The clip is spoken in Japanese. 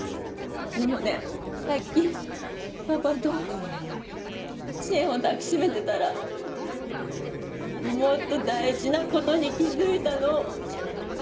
でもねさっきパパと知恵を抱き締めてたらもっと大事なことに気付いたの。